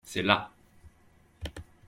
c'est là.